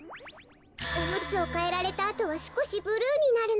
おむつをかえられたあとはすこしブルーになるのよ。